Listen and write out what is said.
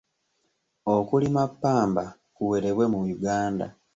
Okulima ppamba kuwerebwe mu Uganda?